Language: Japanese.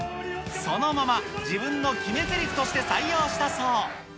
そのまま自分の決めぜりふとして採用したそう。